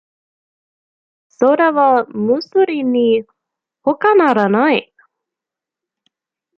それはムスリンにほかならない。